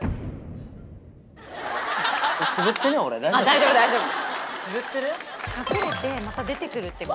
大丈夫大丈夫。